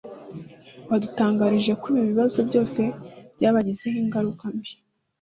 badutangarije ko ibi bibazo byose byabagizeho ingaruka mbi